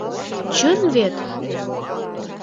— Чын вет?